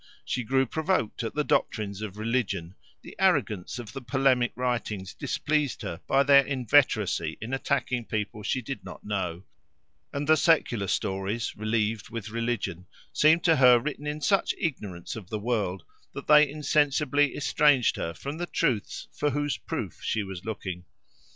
She grew provoked at the doctrines of religion; the arrogance of the polemic writings displeased her by their inveteracy in attacking people she did not know; and the secular stories, relieved with religion, seemed to her written in such ignorance of the world, that they insensibly estranged her from the truths for whose proof she was looking.